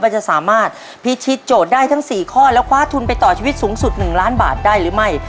จะสามารถพิธีโจทย์ได้ทั้ง๔ข้อแล้วคว้าทุนไปต่อชีวิตสูงสุด๑ล้านบาทได้หรือไม่